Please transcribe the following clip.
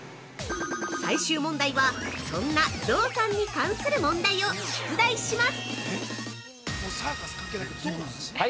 最終問題は、そんな象さんに関する問題を出題します！